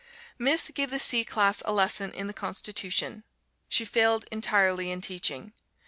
Miss gave the C class a lesson in the Constitution. She failed entirely in teaching.